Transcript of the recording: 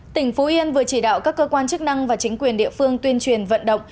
tỉnh phú yên vừa chỉ đạo các cơ quan chức năng và chính quyền địa phương tuyên truyền vận động